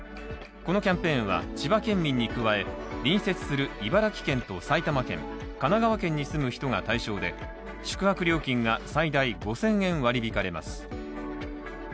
このキャンペーンは、千葉県民に加え、隣接する茨城県と埼玉県、神奈川県に住む人が対象で、宿泊料金が最大５０００円割引かれます。